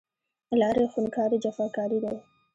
لارې خونکارې، جفاکارې دی